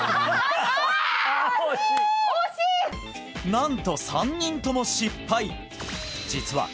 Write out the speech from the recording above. なんと３人とも失敗！